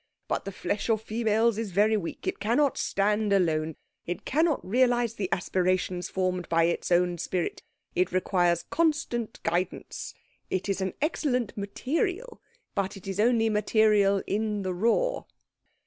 But the flesh of females is very weak. It cannot stand alone. It cannot realise the aspirations formed by its own spirit. It requires constant guidance. It is an excellent material, but it is only material in the raw."